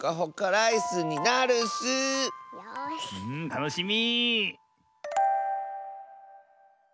うんたのしみ。